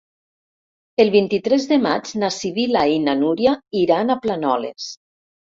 El vint-i-tres de maig na Sibil·la i na Núria iran a Planoles.